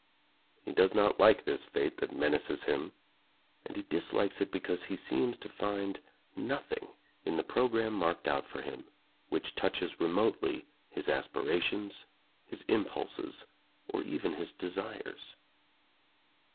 He does not like this fate that menaces him, and he dislikes it because he seems to find nothing in the programme marked out for him which touches re motely his aspirations, his impulses, or even his desires.